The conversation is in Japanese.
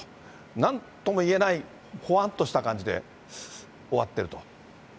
なんとも言えないほわっとした感じで終わってると。